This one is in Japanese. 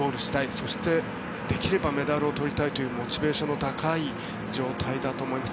そして、できればメダルを取りたいというモチベーションの高い状態だと思います。